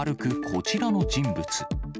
こちらの人物。